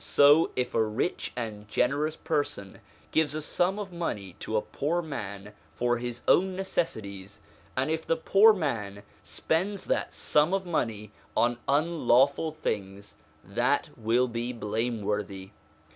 So, if a rich and generous person gives a sum of money to a poor man for his own necessities, and if the poor man spends that sum of money on unlawful things, that will be blameworthy.